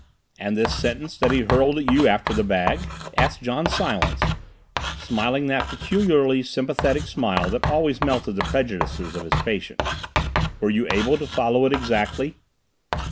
"And this sentence that he hurled at you after the bag?" asked John Silence, smiling that peculiarly sympathetic smile that always melted the prejudices of his patient, "were you unable to follow it exactly?"